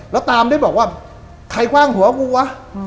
แล้วตามได้บอกว่าใครคว่างหัวกูวะ